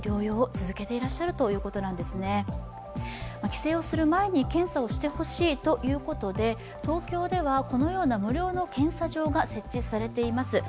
帰省をする前に検査をしてほしいということで、東京ではこのような無料の検査場が設置されています。